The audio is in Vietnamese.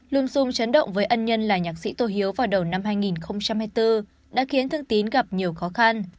lum sung chấn động với ân nhân là nhạc sĩ tô hiếu vào đầu năm hai nghìn hai mươi bốn đã khiến thương tín gặp nhiều khó khăn